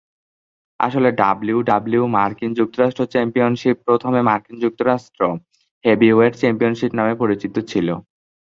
আসলে ডাব্লিউডাব্লিউই মার্কিন যুক্তরাষ্ট্র চ্যাম্পিয়নশিপ প্রথমে মার্কিন যুক্তরাষ্ট্র হেভিওয়েট চ্যাম্পিয়নশিপ নামে পরিচিত ছিল।